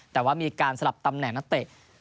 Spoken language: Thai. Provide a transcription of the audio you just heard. แต่ว่ามีการสลับตำแหน่งนักเตะ